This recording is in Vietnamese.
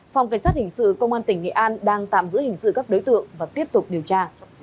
phòng cảnh sát hình sự công an tỉnh nghệ an đang tạm giữ hình sự các đối tượng và tiếp tục điều tra